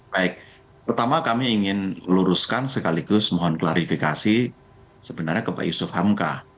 baik pertama kami ingin luruskan sekaligus mohon klarifikasi sebenarnya ke pak yusuf hamka